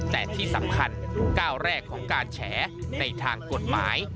แต่ที่สำคัญก้าวแรกของการแฉในทางกฎหมาย